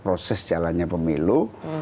proses jalannya pemilu